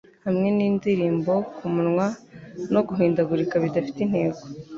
hamwe nindirimbo kumunwa no guhindagurika bidafite intego